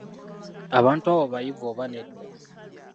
Abantu abo bayivu oba nedda?